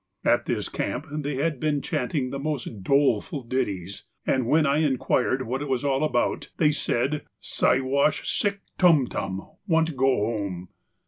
At this camp they had been chanting the most doleful ditties, and when I inquired what it was all about, they said, 'Siwash sick tum tum, want go home.